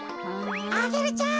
アゲルちゃん